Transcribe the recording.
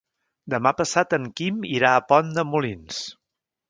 Demà passat en Quim irà a Pont de Molins.